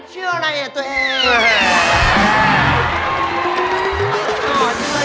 ชื่ออะไรอ่ะตัวเอง